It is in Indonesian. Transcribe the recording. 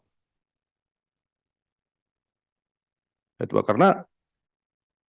bapak juga punya hak untuk tidak menjawab